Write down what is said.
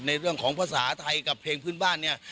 เรื่องของภาษาไทยกับเพลงพื้นบ้านเนี่ย